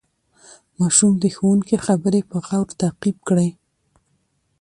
ماشوم د ښوونکي خبرې په غور تعقیب کړې